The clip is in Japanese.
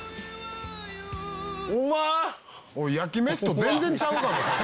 「おい焼き飯と全然ちゃうがな！」